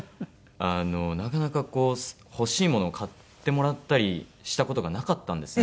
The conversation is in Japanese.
あのなかなかこう欲しいものを買ってもらったりした事がなかったんですね